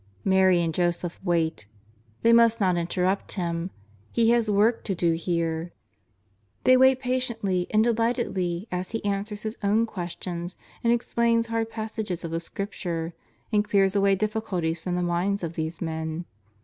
Mary and Joseph wait. They must not interrupt Him. He has a work to do here. They wait patiently and delightedly as He answers His own questions and explains hard passages of the Scripture and clears away difficulties from the minds of these men.